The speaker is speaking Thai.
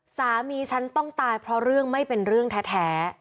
สามีฉันต้องตายเพราะเรื่องไม่เป็นเรื่องแท้